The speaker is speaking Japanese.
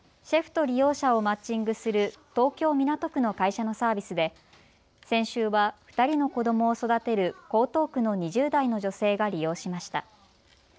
シェフと利用者をマッチングする東京港区の会社のサービスで先週は２人の子どもを育てる江東区の２０代の女性が利用しました。